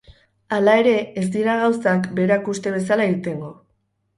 Hala ere, ez dira gauzak berak uste bezala irtengo.